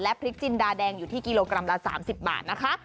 พริกจินดาแดงอยู่ที่กิโลกรัมละ๓๐บาทนะคะ